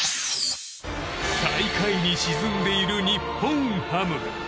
最下位に沈んでいる日本ハム。